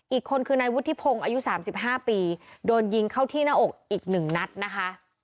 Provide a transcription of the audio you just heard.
อีกคนคือนายวุฒิพงศ์อายุสามสิบห้าปีโดนยิงเข้าที่หน้าอกอีกหนึ่งนัดนะคะ